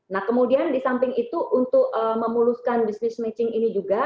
nah kemudian di samping itu untuk memuluskan business matching ini juga